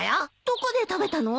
どこで食べたの？